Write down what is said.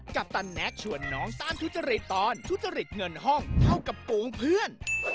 ปตันแน็กชวนน้องต้านทุจริตตอนทุจริตเงินห้องเท่ากับโกงเพื่อน